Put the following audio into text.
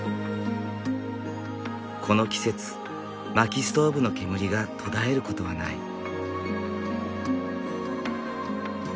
この季節薪ストーブの煙が途絶えることはない。